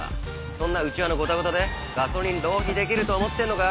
そんな内輪のゴタゴタでガソリン浪費できると思ってんのか？